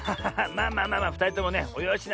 まあまあまあまあふたりともねおよしなさいって。